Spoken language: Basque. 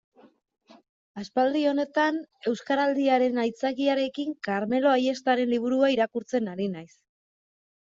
Aspaldi honetan, Euskaraldiaren aitzakiarekin, Karmelo Ayestaren liburua irakurtzen ari naiz.